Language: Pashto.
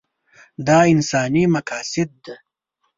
دا انساني مقاصد ده.